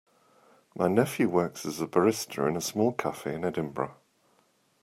My nephew works as a barista in a small cafe in Edinburgh.